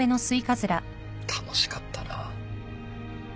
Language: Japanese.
楽しかったな。